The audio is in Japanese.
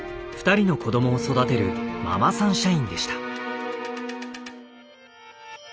２人の子供を育てるママさん社員でした。